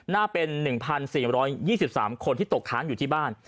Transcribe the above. น่าเป็น๑๔๒๓คนที่ตกค้างอยู่ที่บ้าน